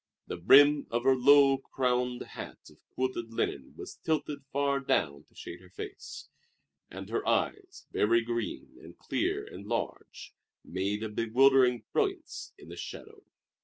The brim of her low crowned hat of quilted linen was tilted far down to shade her face; and her eyes, very green and clear and large, made a bewildering brilliance in the shadow.